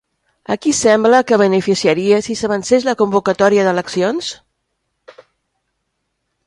A qui sembla que beneficiaria si s'avancés la convocatòria d'eleccions?